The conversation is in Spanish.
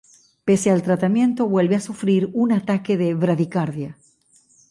Pese al tratamiento vuelve a sufrir un ataque de bradicardia.